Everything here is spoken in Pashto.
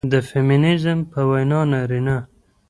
د فيمينزم په وينا نارينه